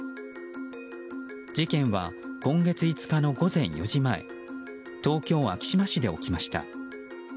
事件は今月５日の午前４時前東京・昭島市で起きました。